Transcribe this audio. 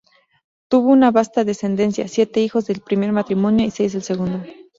Tuvo una vasta descendencia: siete hijos del primer matrimonio y seis del segundo.